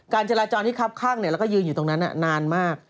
จราจรที่คับข้างแล้วก็ยืนอยู่ตรงนั้นนานมาก